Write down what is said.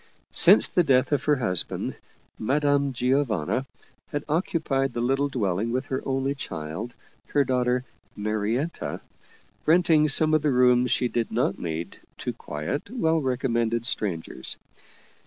Since the death of her husband, Madame Gio vanna had occupied the little dwelling with her only child, her daughter Marietta, renting some of the rooms she did not need to quiet, well recommended strangers.